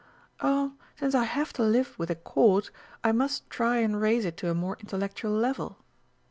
"Oh, since I have to live with a Court, I must try and raise it to a more intellectual level."